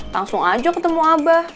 langsung aja ketemu abah